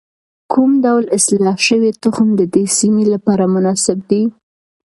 کوم ډول اصلاح شوی تخم د دې سیمې لپاره مناسب دی؟